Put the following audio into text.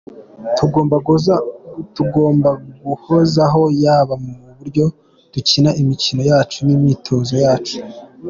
Tugomba guhozaho yaba mu buryo dukina imikino yacu, n’imyitozo yacu.